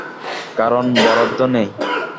কারণ, বরাদ্দ নেই।